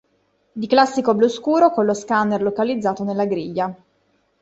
Di classico blu scuro con lo scanner localizzato nella griglia.